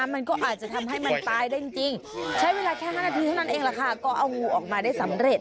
มันก็อาจจะทำให้มันตายได้จริงใช้เวลาแค่๕นาทีเท่านั้นเองแหละค่ะก็เอางูออกมาได้สำเร็จ